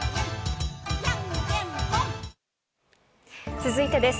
続いてです。